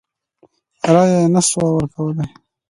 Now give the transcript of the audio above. رایه یې نه سوای ورکولای.